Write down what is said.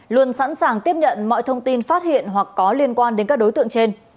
luôn sẵn sàng tiếp nhận mọi thông tin phát hiện hoặc có liên quan đến các đối tượng trên